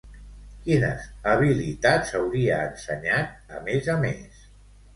Quines habilitats hauria ensenyat, a més a més?